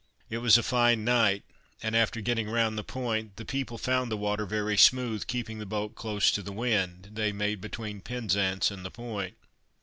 It was a fine night, and, after getting round the point, the people found the water very smooth; keeping the boat close to the wind, they made between Penzance and the point.